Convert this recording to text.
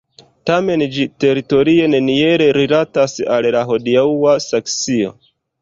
Tamen ĝi teritorie neniel rilatas al la hodiaŭa Saksio.